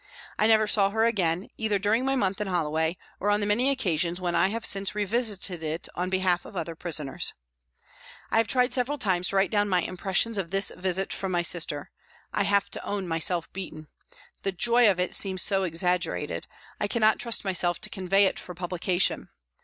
I never saw her again, either during my month in Holloway or on the many occasions when I have since revisited it on behalf of other prisoners. I have tried several times to write down my impres sions of this " visit " from my sister. I have to own myself beaten. The joy of it seems so exaggerated, I cannot trust myself to convey it for publication.